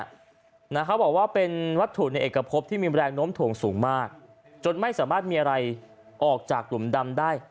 เขาบอกว่าเป็นวัตถุในเอกพบที่มีแรงโน้มถ่วงสูงมากจนไม่สามารถมีอะไรออกจากหลุมดำได้